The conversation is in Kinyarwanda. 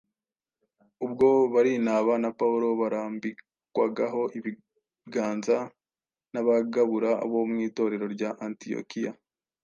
Ubwo Barinaba na Pawulo barambikwagaho ibiganza n’abagabura bo mu Itorero rya Antiyokiya,